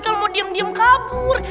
kalau mau diem diem kabur